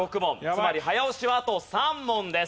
つまり早押しはあと３問です。